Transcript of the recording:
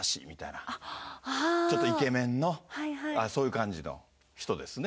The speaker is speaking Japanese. ちょっとイケメンのそういう感じの人ですね。